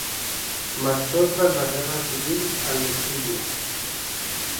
Marchó tras la Guerra Civil al exilio.